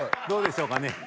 どうでしょうかね？